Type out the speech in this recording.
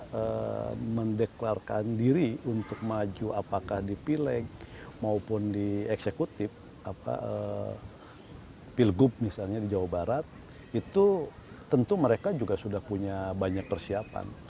kalau mendeklarkan diri untuk maju apakah di pileg maupun di eksekutif pilgub misalnya di jawa barat itu tentu mereka juga sudah punya banyak persiapan